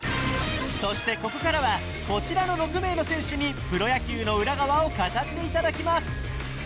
そしてここからはこちらの６名の選手にプロ野球の裏側を語って頂きます